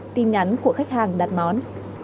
tin nhắn của khách hàng đặt món